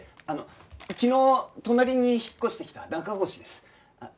あの昨日隣に引っ越してきた中越です。